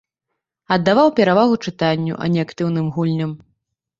Аддаваў перавагу чытанню, а не актыўным гульням.